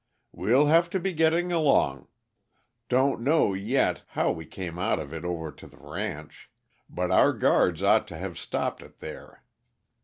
"We'll have to be getting along don't know, yet, how we came out of it over to the ranch. But our guards ought to have stopped it there."